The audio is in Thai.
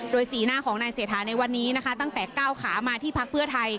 โดยสีหน้าของนายเศรษฐาในวันนี้นะคะตั้งแต่ก้าวขามาที่พักเพื่อไทย